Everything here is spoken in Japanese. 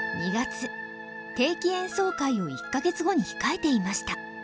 定期演奏会を１か月後に控えていました。